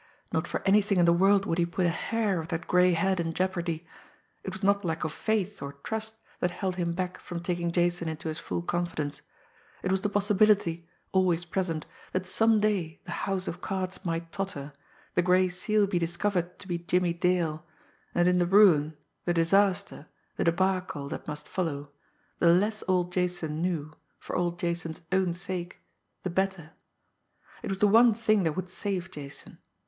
Not for anything in the world would he put a hair of that gray head in jeopardy! It was not lack of faith or trust that held him back from taking Jason into his full confidence it was the possibility, always present, that some day the house of cards might totter, the Gray Seal be discovered to be Jimmie Dale, and in the ruin, the disaster, the debacle that must follow, the less old Jason knew, for old Jason's own sake, the better! It was the one thing that would save Jason.